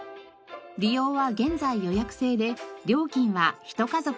利用は現在予約制で料金は一家族２００円。